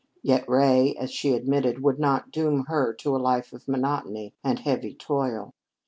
Yet Ray, as she admitted, would not doom her to a life of monotony and heavy toil.